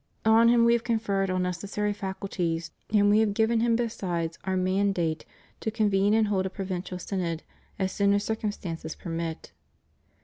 On him We have conferred all necessary facul ties; and We have given him besides Our mandate to con vene and hold a provincial Synod, as soon as circum stances permit.